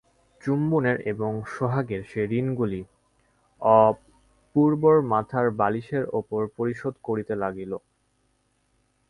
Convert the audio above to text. চুম্বনের এবং সোহাগের সে ঋণগুলি অপূর্বর মাথার বালিশের উপর পরিশোধ করিতে লাগিল।